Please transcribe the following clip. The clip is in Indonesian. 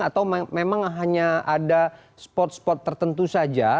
atau memang hanya ada spot spot tertentu saja